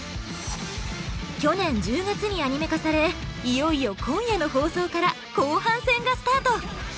去年１０月にアニメ化されいよいよ今夜の放送から後半戦がスタート！